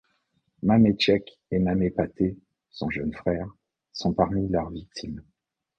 Mame Cheikh et Mame Pathé, son jeune frère, sont parmi leurs victimes.